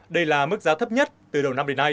đây là mức giá thấp nhất từ đầu năm đến nay